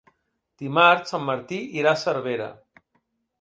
Dimarts en Martí irà a Cervera.